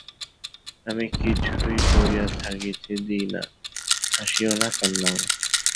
আমি কিছুই পড়িয়া থাকিতে দিই না, হাসিও না, কান্নাও না।